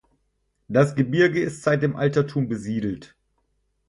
Das Gebirge ist seit dem Altertum besiedelt.